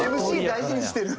ＭＣ大事にしてる。